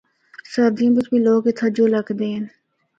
سردیاں بچ بھی لوگ اِتھا جُل ہکدے ہن۔